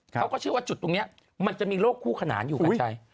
เขาก็เชื่อว่าจุดตรงนี้มันจะมีโรคคู่ขนานอยู่กัญชัย